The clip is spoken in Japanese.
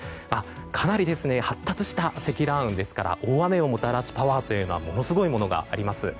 かなり発達した積乱雲ですから大雨をもたらすパワーはものすごいものがあります。